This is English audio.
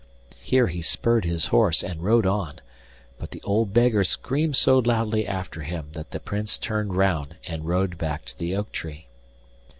Here he spurred his horse and rode on; but the old beggar screamed so loudly after him that the Prince turned round and rode back to the oak tree.